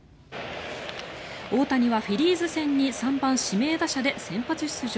大谷はフィリーズ戦に３番指名打者で先発出場。